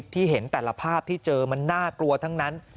ที่เห็นแต่ละภาพที่เจอมันน่ากลัวทั้งนั้น